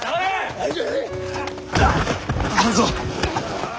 半蔵。